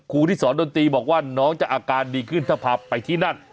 ที่สอนดนตรีบอกว่าน้องจะอาการดีขึ้นถ้าพาไปที่นั่น